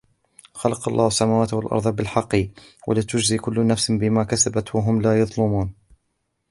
وَخَلَقَ اللَّهُ السَّمَاوَاتِ وَالْأَرْضَ بِالْحَقِّ وَلِتُجْزَى كُلُّ نَفْسٍ بِمَا كَسَبَتْ وَهُمْ لَا يُظْلَمُونَ